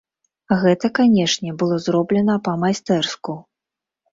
Гэта, канечне, было зроблена па-майстэрску.